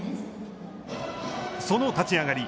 その立ち上がり。